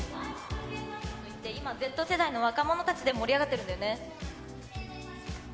今、Ｚ世代の若者たちで盛り上がってるんだよね。